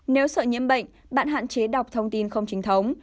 nếu sợi nhiễm bệnh bạn hạn chế đọc thông tin không chính thống